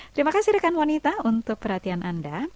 terima kasih rekan wanita untuk perhatian anda